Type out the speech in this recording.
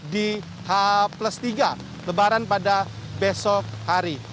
di h tiga lebaran pada besok hari